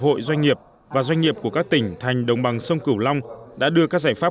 hội doanh nghiệp và doanh nghiệp của các tỉnh thành đồng bằng sông cửu long đã đưa các giải pháp